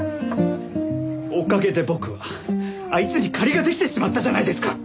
おかげで僕はあいつに借りができてしまったじゃないですか！